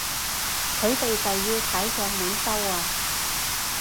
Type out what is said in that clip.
佢哋就要踩上門收啊